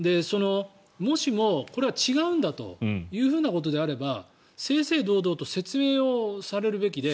もしも、これが違うんだということであれば正々堂々と説明をされるべきで。